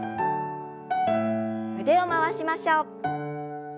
腕を回しましょう。